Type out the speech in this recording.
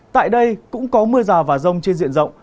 tại đây cũng có mưa rào và rông trên diện rộng